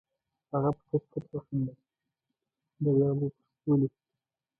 هغه په کټ کټ وخندل، دریاب وپوښت: ولې؟